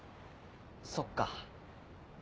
そっか。